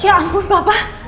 ya ampun papa